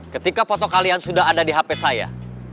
ketika foto kalian sudah ada di hp saya